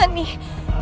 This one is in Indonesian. aku yakin sekali pak